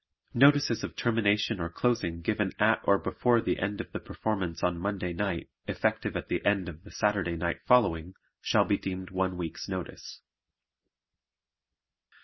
Notices of termination or closing given at or before the end of the performance on Monday night effective at the end of the Saturday night following, shall be deemed one week's notice.